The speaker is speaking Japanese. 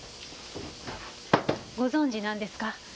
ご存じなんですか？